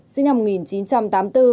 sinh năm một nghìn chín trăm tám mươi bốn